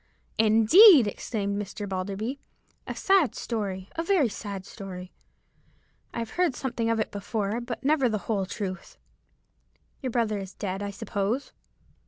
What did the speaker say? "Indeed!" exclaimed Mr. Balderby; "a sad story,—a very sad story. I have heard something of it before, but never the whole truth. Your brother is dead, I suppose."